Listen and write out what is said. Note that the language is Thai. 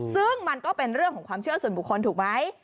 ซึ่งมันก็เป็นเรื่องของความเชื่อส่วนบุคคลถูกไหม